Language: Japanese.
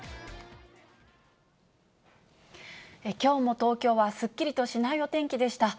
きょうも東京はすっきりとしないお天気でした。